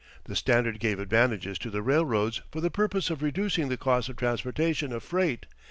The Standard gave advantages to the railroads for the purpose of reducing the cost of transportation of freight.